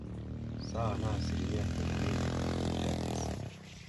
Sawa na asilimia themanini nukta tisa